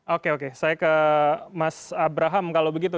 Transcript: oke oke saya ke mas abraham kalau begitu